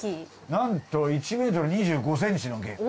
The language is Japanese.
なんと１ｍ２５ｃｍのゲーム。